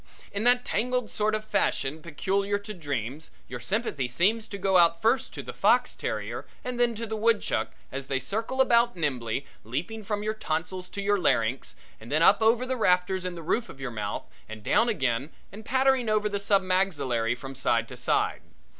In that tangled sort of fashion peculiar to dreams your sympathy seems to go out first to the fox terrier and then to the woodchuck as they circle about nimbly, leaping from your tonsils to your larynx and then up over the rafters in the roof of your mouth and down again and pattering over the sub maxillary from side to side.